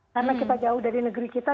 karena kita jauh dari negeri kita